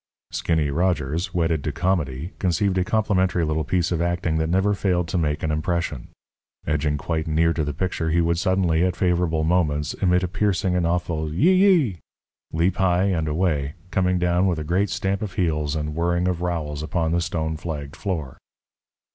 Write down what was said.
Skinny Rogers, wedded to comedy, conceived a complimentary little piece of acting that never failed to make an impression. Edging quite near to the picture, he would suddenly, at favourable moments emit a piercing and awful "Yi yi!" leap high and away, coming down with a great stamp of heels and whirring of rowels upon the stone flagged floor.